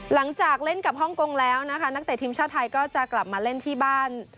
หลังจากเล่นกับฮ่องกงแล้วนะคะนักเตะทีมชาติไทยก็จะกลับมาเล่นที่บ้าน